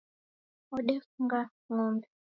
Wodefunga ng'ombe.